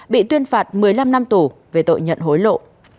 bị tuyên phạt một mươi năm năm tù về tội nhận hối lộ